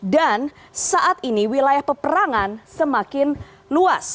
dan saat ini wilayah peperangan semakin luas